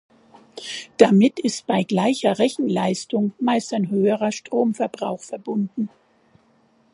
Damit ist bei gleicher Rechenleistung meist ein höherer Stromverbrauch verbunden.